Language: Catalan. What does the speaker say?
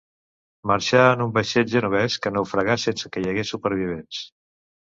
Marxà en un vaixell genovès, que naufragà sense que hi hagués supervivents.